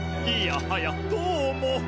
いやはやどうも。